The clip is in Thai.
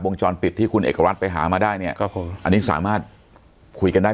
จรปิดที่คุณเอกรัฐไปหามาได้เนี่ยก็คืออันนี้สามารถคุยกันได้